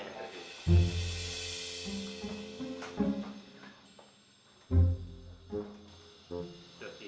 tuh cik udah kan